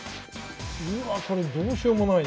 うわこれどうしようもないね